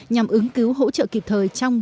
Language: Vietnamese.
nhằm ứng cứu hỗ trợ kịp thời trong